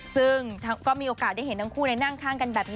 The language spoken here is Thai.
ซึ่งก็มีโอกาสได้เห็นทั้งคู่นั่งข้างกันแบบนี้